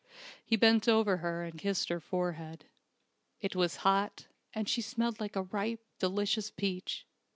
He bent over her, and kissed her forehead. It was hot, and she smelled like a ripe, delicious peach.